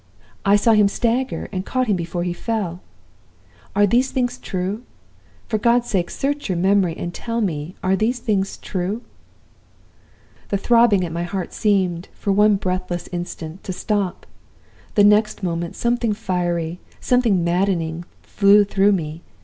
I saw him stagger, and caught him before he fell. Are these things true? For God's sake, search your memory, and tell me are these things true?' "The throbbing at my heart seemed, for one breathless instant, to stop. The next moment something fiery, something maddening, flew through me.